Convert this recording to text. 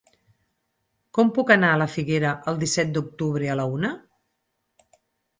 Com puc anar a la Figuera el disset d'octubre a la una?